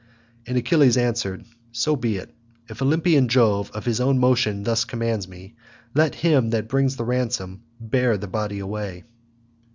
And Achilles answered, "So be it. If Olympian Jove of his own motion thus commands me, let him that brings the ransom bear the body away."